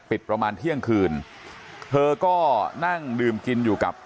ประมาณเที่ยงคืนเธอก็นั่งดื่มกินอยู่กับ